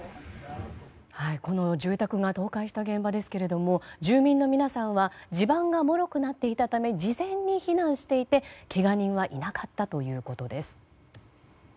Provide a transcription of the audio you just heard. この住宅が倒壊した現場ですけれども住民の皆さんは地盤がもろくなっていたため事前に避難していて、けが人はいなかったということです。